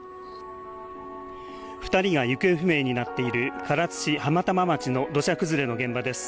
２人が行方不明になっている唐津市浜玉町の土砂崩れの現場です。